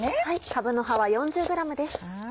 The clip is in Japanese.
かぶの葉は４０ｇです。